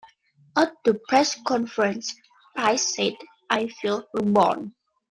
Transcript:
At the press conference, Price said, I feel reborn.